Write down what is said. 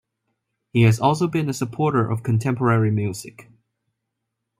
He has also been a supporter of contemporary music.